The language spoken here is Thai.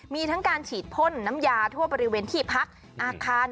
มีทั้งการฉีดพ่นน้ำยาทั่วบริเวณที่พักอาคาร